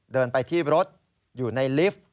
เดินไปที่รถอยู่ในลิฟต์